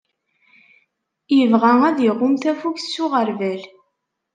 Ibɣa ad iɣumm tafukt s uɣerbal.